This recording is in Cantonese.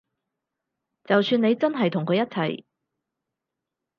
就算你真係同佢一齊